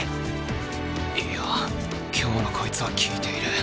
いや今日のこいつは効いている。